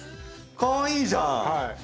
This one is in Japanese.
かわいいじゃん！